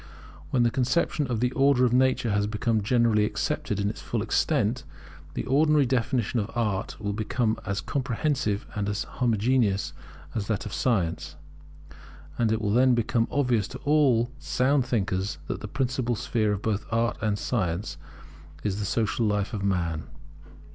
When the conception of the Order of Nature has become generally accepted in its full extent, the ordinary definition of Art will become as comprehensive and as homogeneous as that of Science; and it will then become obvious to all sound thinkers that the principal sphere of both Art and Science is the social life of man.